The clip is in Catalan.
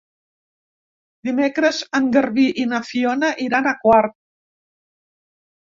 Dimecres en Garbí i na Fiona iran a Quart.